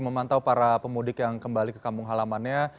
memantau pemudik yang kembali ke kambung halamannya